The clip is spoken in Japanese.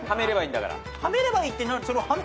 はめればいいってその。